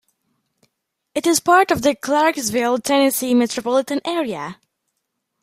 It is part of the Clarksville, Tennessee metropolitan area.